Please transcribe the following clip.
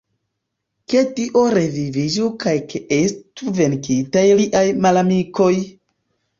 Ke Dio reviviĝu kaj ke estu venkitaj liaj malamikoj!